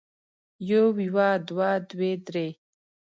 يو يوه دوه دوې درې